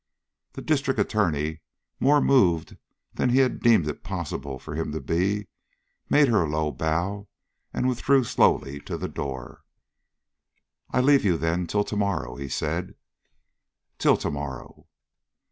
The District Attorney, more moved than he had deemed it possible for him to be, made her a low bow and withdrew slowly to the door. "I leave you, then, till to morrow," he said. "Till to morrow."